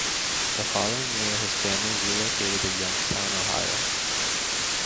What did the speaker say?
The following year his family relocated to Youngstown, Ohio.